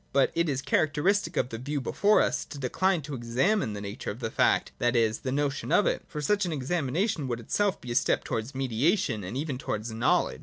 But it is characteristic of the view before us to decline to examine the nature of the fact, that is, the notion of it ; for such an exami nation would itself be a step towards mediation and even towards knowledge.